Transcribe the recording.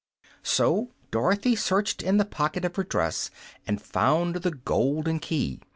So Dorothy searched in the pocket of her dress and found the golden key.